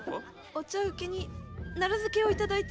お茶うけに奈良漬けをいただいたのです。